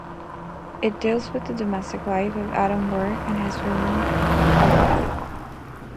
It deals with the domestic life of Adam Work and his woman Rhoda.